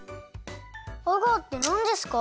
アガーってなんですか？